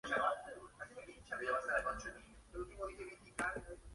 Al año siguiente repitieron título derrotando a Syracuse Nationals en la final.